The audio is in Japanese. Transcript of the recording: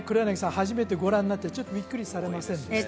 初めてご覧になってちょっとびっくりされませんでした？